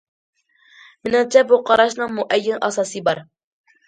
مېنىڭچە بۇ قاراشنىڭ مۇئەييەن ئاساسى بار.